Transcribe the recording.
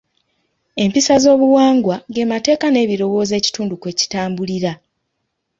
Empisa z'obuwangwa g'emateeka n'ebirowoozo ekitundu kwe kitambulira.